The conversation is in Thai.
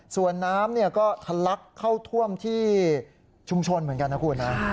ส่วนน้ำก็ทะลักเข้าท่วมที่ชุมชนเหมือนกันนะคุณนะ